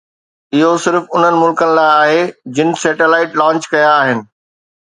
اهو صرف انهن ملڪن لاءِ آهي جن سيٽلائيٽ لانچ ڪيا آهن